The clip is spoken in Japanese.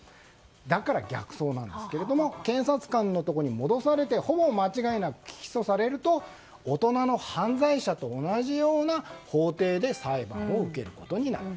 だから、逆送なんですけど検察官のところに戻されて、ほぼ間違いなく起訴されると大人の犯罪者と同じような法廷で裁判を受けることになる。